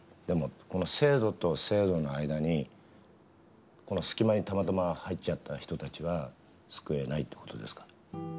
でも制度と制度の間にこの隙間にたまたま入っちゃった人たちは救えないって事ですか？